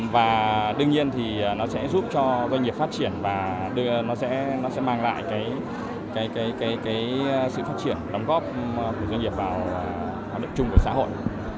và đương nhiên nó sẽ giúp cho doanh nghiệp phát triển và mang lại sự phát triển đóng góp của doanh nghiệp vào đội trung của xã hội